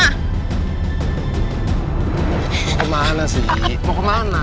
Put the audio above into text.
kemana sih mau kemana